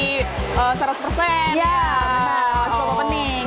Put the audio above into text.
iya benar masih shop opening